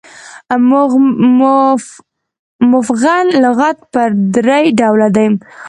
مفغن لغات پر درې ډوله دي.